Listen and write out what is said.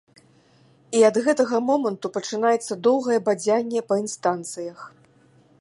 І ад гэтага моманту пачынаецца доўгае бадзянне па інстанцыях.